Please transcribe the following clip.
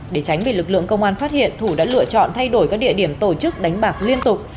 để tránh bị lực lượng công an phát hiện thủ đã lựa chọn thay đổi các địa điểm tổ chức đánh bạc liên tục